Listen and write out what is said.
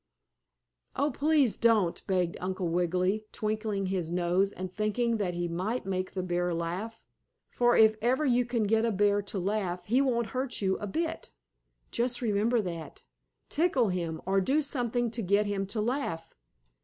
"Oh, please don't!" begged Uncle Wiggily, twinkling his nose and thinking that he might make the bear laugh. For if ever you can get a bear to laugh he won't hurt you a bit. Just remember that. Tickle him, or do anything to get him to laugh.